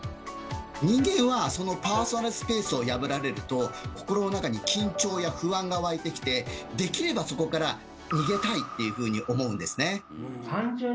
人間はそのパーソナルスペースを破られると心の中に緊張や不安がわいてきてできればそこから逃げたいっていうふうに思うんですね。